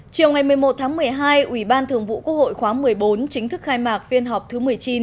chiều ngày một mươi một tháng một mươi hai ủy ban thường vụ quốc hội khóa một mươi bốn chính thức khai mạc phiên họp thứ một mươi chín